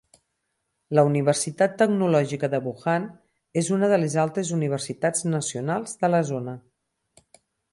La Universitat Tecnològica de Wuhan és una de les altres universitats nacionals de la zona.